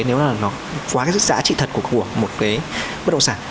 nếu là nó quá cái giá trị thật của một cái bất động sản